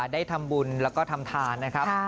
ได้ทำบุญแล้วก็ทำทานนะครับ